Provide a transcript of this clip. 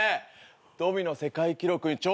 ドミノ世界記録に挑戦。